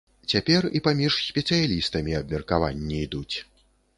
Цяпер і паміж спецыялістамі абмеркаванні ідуць.